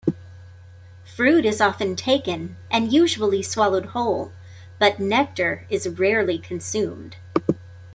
Fruit is often taken and usually swallowed whole, but nectar is rarely consumed.